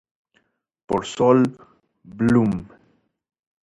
Por Sol Bloom